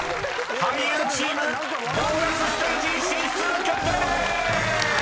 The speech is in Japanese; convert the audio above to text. ［俳優チームボーナスステージ進出決定でーす！］